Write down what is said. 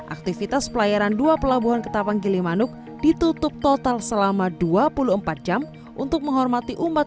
aktivitas pelayaran dua pelabuhan ketapang gilimanuk ditutup total selama dua puluh empat jam untuk menghormati umat